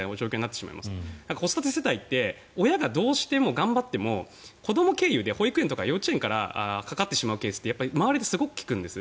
子育て世代って親が頑張ってもどうしても子ども経由で保育園とか幼稚園とかからかかってしまうケースをすごく聞くんです。